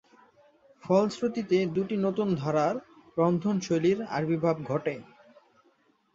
ফলশ্রুতিতে দুটি নতুন ধারার রন্ধনশৈলীর আবির্ভাব ঘটে।